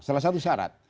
salah satu syarat